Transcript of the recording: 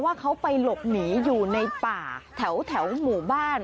ว่าเขาไปหลบหนีอยู่ในป่าแถวหมู่บ้าน